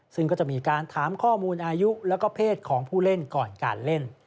ซึ่งก็จะมีการถามข้อมูลอายุแล้วก็เพศของผู้เล่นก่อนการเล่น